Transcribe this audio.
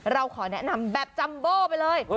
เราขอแนะนำแบบจัมโบ้ไปเลย